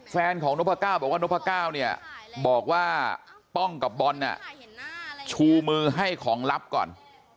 แฟนของนพก้าวบอกว่านพก้าวเนี่ยบอกว่าป้องกับบอลชูมือให้ของลับก่อน